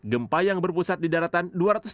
gempa yang berpusat di daratan